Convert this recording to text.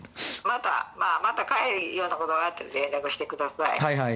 また帰るようなことがあったら連絡してください。